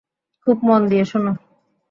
খুব মন দিয়ে শোন।